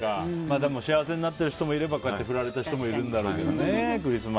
幸せになっている人もいればこうやってフラれた人もいるんでしょうね。